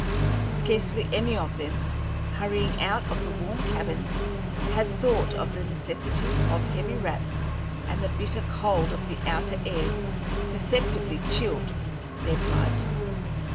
Scarcely any of them, hurrying out of the warm cabins, had thought of the necessity of heavy wraps, and the bitter cold of the outer air perceptibly chilled their blood.